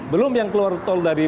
belum yang keluar tol dari